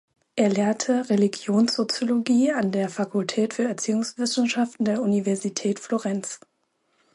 Er lehrte Religionssoziologie an der Fakultät für Erziehungswissenschaften der Universität Florenz.